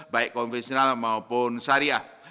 baik konvensional maupun syariah